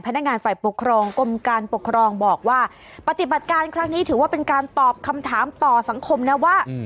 พนักงานฝ่ายปกครองกรมการปกครองบอกว่าปฏิบัติการครั้งนี้ถือว่าเป็นการตอบคำถามต่อสังคมนะว่า